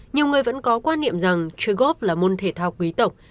nhiều người vẫn có quan niệm rằng chơi gốc là môn thể thao quý tộc